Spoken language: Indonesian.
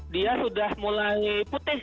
dia sudah mulai putih